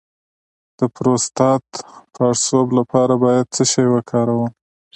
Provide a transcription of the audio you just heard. د پروستات د پړسوب لپاره باید څه شی وکاروم؟